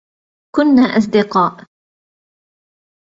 كنّا أصدقاء.